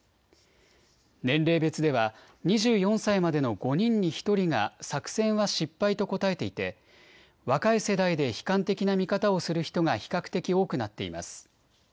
年齢別では２４歳までの５人に１人が作戦は失敗と答えていて若い世代で悲観的な見方をする人が比較的多くなっています。